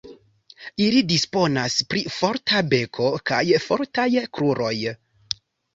Ili disponas pri forta beko kaj fortaj kruroj.